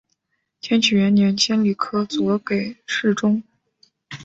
天启元年迁礼科左给事中。